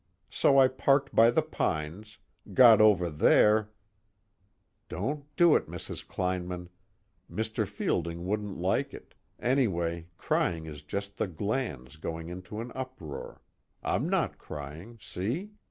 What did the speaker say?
So I parked by the pines, got over there " _Don't do it, Mrs. Kleinman: Mr. Fielding wouldn't like it, anyway crying is just the glands going into an uproar. I'm not crying see?